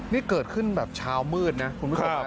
นี่เกิดขึ้นแบบเช้ามืดนะคุณผู้ชม